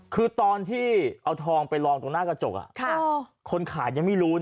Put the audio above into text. คือตอนที่เอาทองไปลองตรงหน้ากระจกคนขายยังไม่รู้นะ